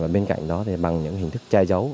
bên cạnh đó bằng những hình thức trai dấu